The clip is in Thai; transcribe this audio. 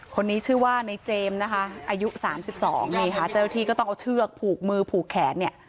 คนนี้ชื่อว่าในเจมส์อายุ๓๒หาเจ้าหน้าที่ก็ต้องเอาเชือกผูกมือผูกแขน